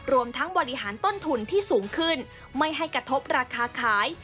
รวมทั้งบริหารต้นทุนที่สูงขึ้นไม่ให้กระทบราคาขาย